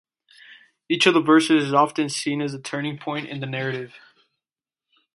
Each of the verses is often seen as a turning point in the narrative.